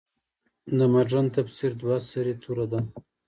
د مډرن تفسیر دوه سرې توره ده.